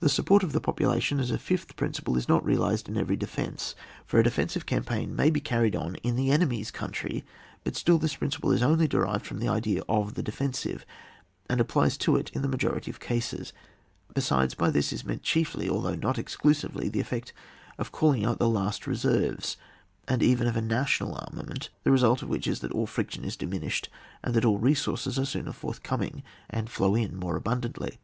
The support of the population as a £fkh principle is not realised in every defence, for a defensive campaign may be carried on in the enemy's country, but still this principle is only derived from the idea of the defensive, and applies to it in the majority of cases. Besides by this is meant chiefly, although not exclusively, the effect of calling out the last Beserves, and even of a national armament, the result of which is that all friction is diminished, and that all resources are sooner forthcoming and flow in more abundantly.